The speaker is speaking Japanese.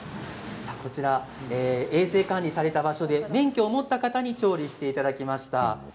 こちら、衛生管理された場所で免許を持った方に調理していただきました。